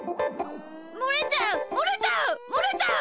もれちゃうもれちゃうもれちゃう！